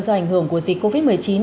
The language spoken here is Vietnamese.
do ảnh hưởng của dịch covid một mươi chín